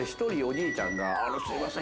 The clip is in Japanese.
「すみません